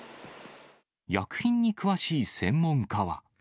薬品に詳しい専門家は。